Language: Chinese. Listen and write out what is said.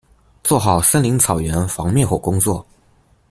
做好森林草原防灭火工作